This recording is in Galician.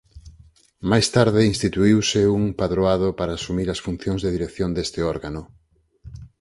Máis tarde instituíuse un Padroado para asumir as funcións de dirección deste órgano.